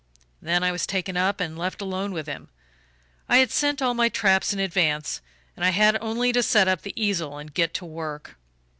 "Then I was taken up and left alone with him. I had sent all my traps in advance, and I had only to set up the easel and get to work.